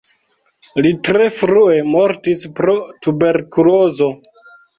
Li tre frue mortis pro tuberkulozo.